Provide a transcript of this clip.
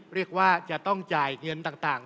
เรียกว่าจะต้องจ่ายเงินต่าง